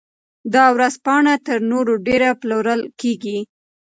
دا ورځپاڼه تر نورو ډېر پلورل کیږي.